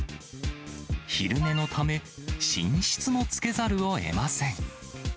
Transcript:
昼寝のため、寝室もつけざるをえません。